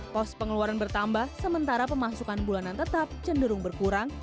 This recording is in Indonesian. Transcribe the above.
pos pengeluaran bertambah sementara pemasukan bulanan tetap cenderung berkurang